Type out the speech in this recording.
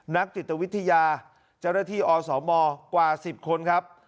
นักจิตวิทยาเจ้าหน้าที่อสมกว่า๑๐คนครับ